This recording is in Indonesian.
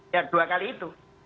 ya dua kali itu